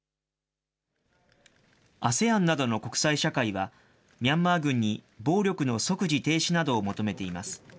ＡＳＥＡＮなどの国際社会は、ミャンマー軍に暴力の即時停止などを求めています。